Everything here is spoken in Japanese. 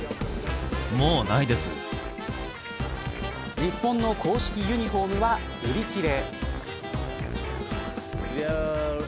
日本の公式ユニホームは売り切れ。